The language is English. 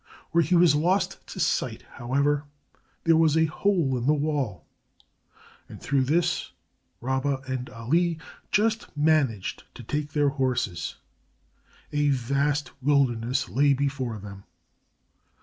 Where he was lost to sight, however, there was a hole in the wall, and through this Rabba and Ali just managed to take their horses. A vast wilderness lay before them.